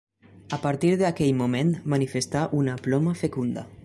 A partir d'aquell moment manifestà una ploma fecunda.